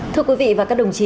thưa quý vị và các đồng chí